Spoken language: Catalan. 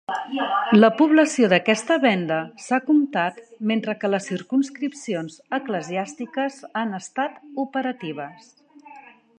La població d'aquesta vénda s'ha comptat mentre que les circumscripcions eclesiàstiques han estat operatives.